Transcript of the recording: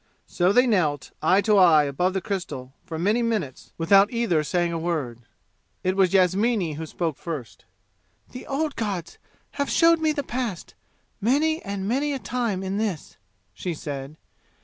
So they knelt eye to eye above the crystal for many minutes without either saying a word. It was Yasmini who spoke first. "The old gods have showed me the past many and many a time in this," she said.